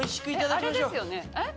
あれですよね？